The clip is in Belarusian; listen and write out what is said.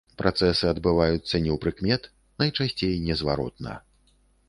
Працэсы адбываюцца неўпрыкмет, найчасцей незваротна.